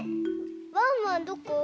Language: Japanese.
ワンワンどこ？